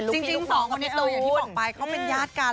จริง๒คนอย่างที่บอกไปเขาเป็นญาติการ